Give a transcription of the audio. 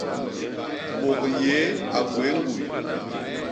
Bôknyéé a gwéé ñguy.